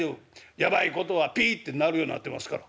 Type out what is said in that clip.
ヤバいことはぴって鳴るようになってますから」。